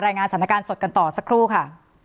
รายงานสถานการณ์สดกันต่อสักครู่ค่ะ